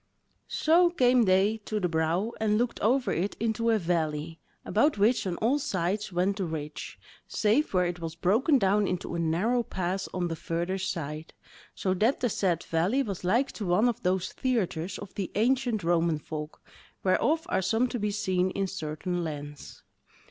So came they to the brow and looked over it into a valley, about which on all sides went the ridge, save where it was broken down into a narrow pass on the further side, so that the said valley was like to one of those theatres of the ancient Roman Folk, whereof are some to be seen in certain lands.